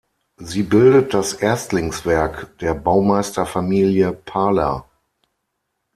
Sie bildet das Erstlingswerk der Baumeisterfamilie Parler.